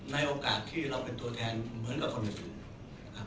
ในโอกาสที่เราเป็นตัวแทนเหมือนกับคนอื่น